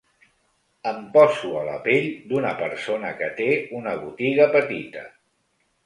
Em poso a la pell d’una persona que té una botiga petita.